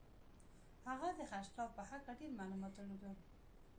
هغه د خرڅلاو په هکله ډېر معلومات درلودل